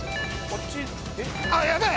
こっちだ。